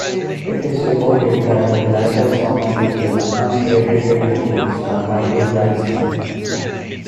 It is reported that the latter song features uncredited vocals by Michael Jackson.